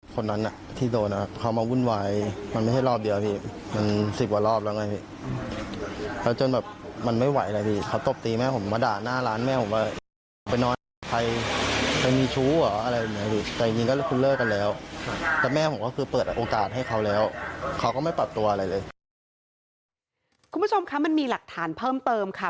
คุณผู้ชมคะมันมีหลักฐานเพิ่มเติมค่ะ